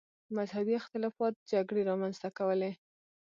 مذهبي اختلافات جګړې رامنځته کولې.